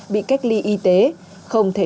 bị cách ly y tế không thể